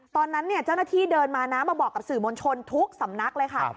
ตอนนั้นเนี่ยเจ้าหน้าที่เดินมานะมาบอกกับสื่อมวลชนทุกสำนักเลยค่ะ